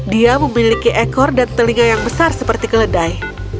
dia memiliki ekor dan telinga yang besar seperti keledai